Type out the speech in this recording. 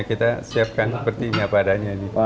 kita siapkan seperti ini apa adanya ini